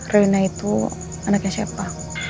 rewina itu anaknya siapa